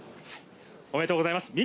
おめでとうございます。